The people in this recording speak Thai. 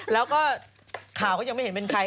แล้วก็ข่าวก็ยังไม่เห็นเป็นใคร